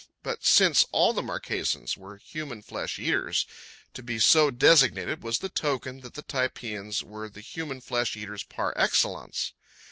But since all the Marquesans were human flesh eaters, to be so designated was the token that the Typeans were the human flesh eaters par excellence.